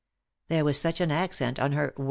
There was such an accent on her "when!"